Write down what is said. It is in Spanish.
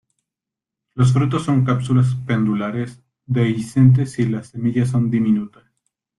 Los frutos son cápsulas pendulares, dehiscentes y las semillas son diminutas.